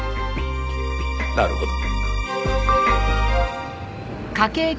なるほど。